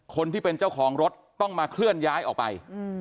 คนที่เป็นเจ้าของรถต้องมาเคลื่อนย้ายออกไป